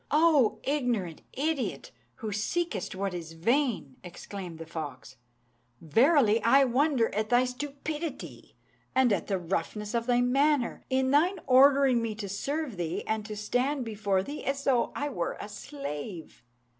"O ignorant idiot! who seekest what is vain," exclaimed the fox, "verily I wonder at thy stupidity, and at the roughness of thy manner, in thine ordering me to serve thee and to stand before thee as though I were a slave.